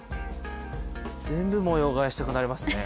全部模様替えしたくなりますね。